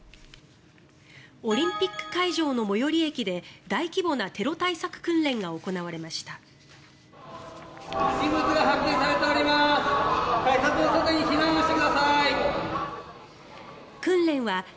オリンピック会場の最寄り駅で大規模なテロ対策訓練が行われました。